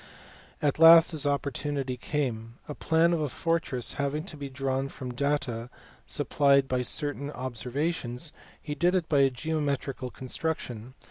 At last his opportunity came. A plan of a fortress having to be drawn from the data supplied by certain observations, he did it by a geo metrical construction.